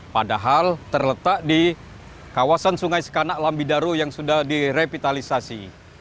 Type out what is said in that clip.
padahal terletak di kawasan sungai sekanak lambidaru yang sudah direvitalisasi